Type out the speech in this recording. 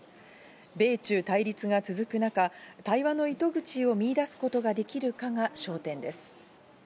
米中対立が続く中、対話の糸口を見いだすことができるかが焦点です。